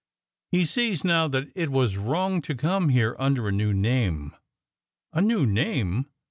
"He sees now that it was wrong to come here under a new name." "A new name!"